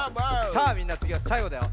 さあみんなつぎはさいごだよ。